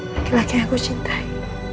laki laki yang aku cintai